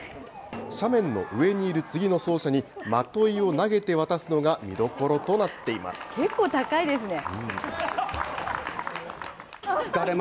斜面の上にいる次の走者に、まといを投げて渡すのが見どころ結構高いですね。